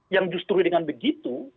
yang justru dengan begitu